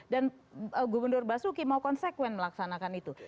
dan gubernur basuki mau konsekuen melaksanakan itu